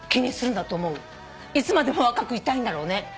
いつまでも若くいたいんだろうね。